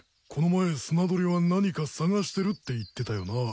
この前スナドリは何かさがしてるって言ってたよな。